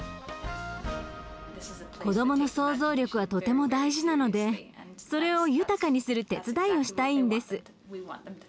子どもの想像力はとても大事なのでそれを豊かにする手伝いをしたいんです。